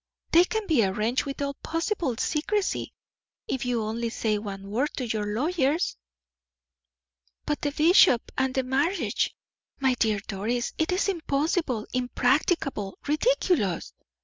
"They can be arranged with all possible secrecy, if you only say one word to your lawyers." "But the bishop, and the marriage. My dear Doris, it is impossible, impracticable, ridiculous!"